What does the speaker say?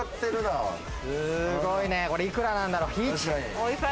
幾らなんだろう？